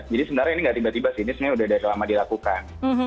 jadi sebenarnya ini nggak tiba tiba sih ini sebenarnya udah dari lama dilakukan